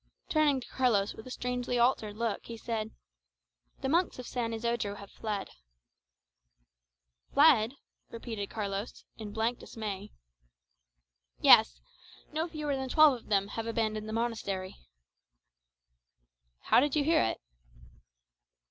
Turning to Carlos with a strangely altered look, he said, "The monks of San Isodro have fled." "Fled?" Carlos repeated, in blank dismay. "Yes; no fewer than twelve of them have abandoned the monastery." "How did you hear it?"